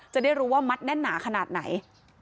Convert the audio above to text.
จะได้รู้ว่ามัดแน่นหนาขนาดไหน